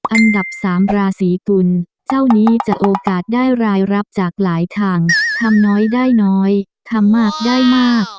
อันดับสามราศีกุลเจ้านี้จะโอกาสได้รายรับจากหลายทางทำน้อยได้น้อยทำมากได้มาก